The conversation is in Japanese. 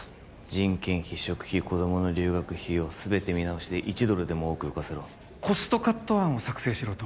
人件費食費子供の留学費用全て見直して１ドルでも多く浮かせろコストカット案を作成しろと？